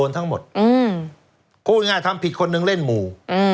ทั้งหมดอืมพูดง่ายง่ายทำผิดคนหนึ่งเล่นหมู่อืม